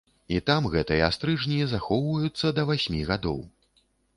І там гэтыя стрыжні захоўваюцца да васьмі гадоў.